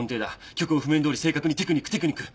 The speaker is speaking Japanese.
曲を譜面どおり正確にテクニックテクニック。